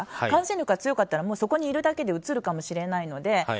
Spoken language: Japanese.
感染力が強かったらそこにいるだけでうつるかもしれないので。